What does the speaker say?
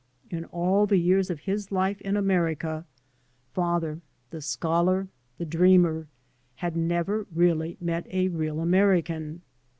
In all the years of his life in America, father the scholar, the dreamer, had never really met a real American.